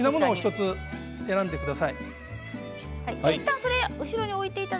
１つずつ選んでください。